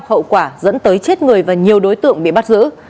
hậu quả dẫn tới chết người và nhiều đối tượng bị bắt giữ